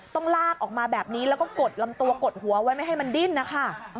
ต้องลากออกมาแบบนี้แล้วก็กดลำตัวกดหัวไว้ไม่ให้มันดิ้นนะคะ